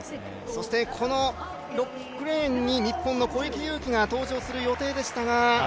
そして、この６組目に日本の小池祐貴が登場する予定でしたが。